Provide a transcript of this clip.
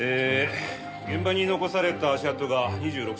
現場に残された足跡が２６センチ。